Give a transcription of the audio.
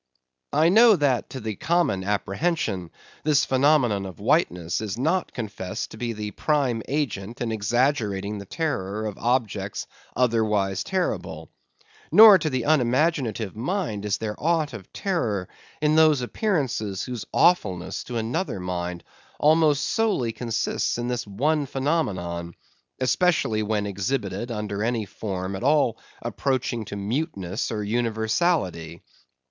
I know that, to the common apprehension, this phenomenon of whiteness is not confessed to be the prime agent in exaggerating the terror of objects otherwise terrible; nor to the unimaginative mind is there aught of terror in those appearances whose awfulness to another mind almost solely consists in this one phenomenon, especially when exhibited under any form at all approaching to muteness or universality.